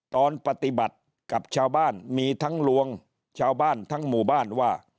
ตอนปฏิบัติกับชาวบ้านมีทั้งลวงชาวบ้านทั้งหมู่บ้านว่า